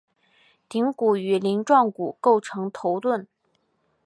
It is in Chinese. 顶骨与鳞状骨构成头盾。